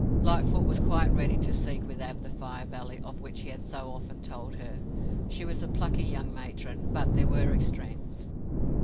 Lightfoot was quite ready to seek with Ab the Fire Valley of which he had so often told her. She was a plucky young matron, but there were extremes.